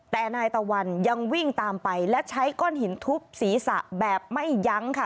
แต่นายตะวันยังวิ่งตามไปและใช้ก้อนหินทุบศีรษะแบบไม่ยั้งค่ะ